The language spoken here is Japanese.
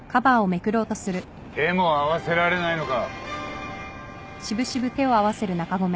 手も合わせられないのか。